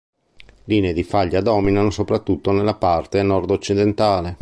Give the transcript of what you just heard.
Linee di faglia dominano soprattutto nella parte nord-occidentale.